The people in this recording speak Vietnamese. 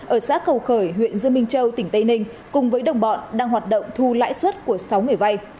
ở xã cầu khởi huyện dương minh châu tỉnh tây ninh cùng với đồng bọn đang hoạt động thu lãi suất của sáu người vay